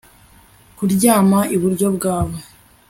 kuryama iburyo bwawe